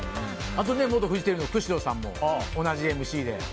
あとね元フジテレビの久代さんも同じＭＣで。